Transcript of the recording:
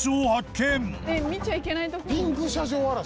見ちゃいけないところ。